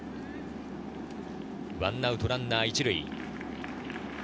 １アウトランナー１塁。